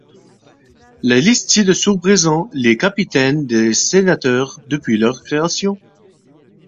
La liste ci-dessous présent les capitaines des Sénateurs depuis leur création.